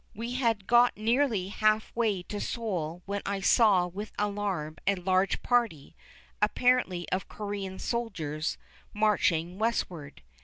We had got nearly half way to Seoul when I saw with alarm a large party, apparently of Corean soldiers, marching westward.